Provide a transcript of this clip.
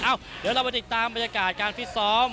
เอ้าเดี๋ยวเราไปติดตามบรรยากาศการฟิศสอม